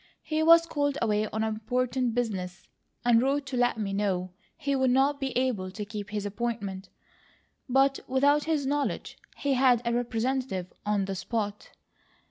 He was called away on important business and wrote to let me know he would not be able to keep his appointment; but without his knowledge, he had a representative on the spot."